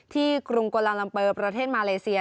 ที่กรุงกวลันลำเปิบประเทศมาเลเซีย